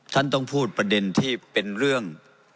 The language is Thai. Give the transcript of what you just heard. ท่านต้องพูดประเด็นที่เป็นเรื่อง